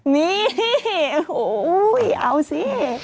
นี่โอ้โหเอาสิ